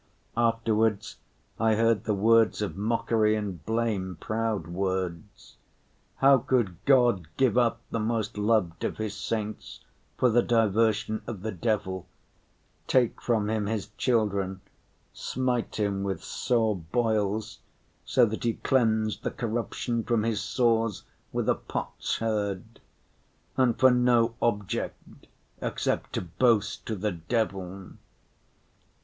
Afterwards I heard the words of mockery and blame, proud words, "How could God give up the most loved of His saints for the diversion of the devil, take from him his children, smite him with sore boils so that he cleansed the corruption from his sores with a pot‐sherd—and for no object except to boast to the devil!